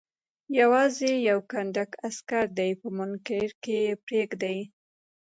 یوازې یو کنډک عسکر دې په مونګیر کې پرېږدي.